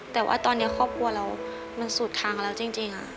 แต่ว่าตอนนี้ครอบครัวเรามันสุดทางแล้วจริงค่ะ